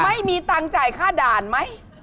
ไม่มีตังค์จ่ายค่าด่านไหม